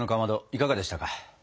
いかがでしたか？